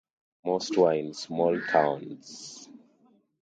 Most were in small towns.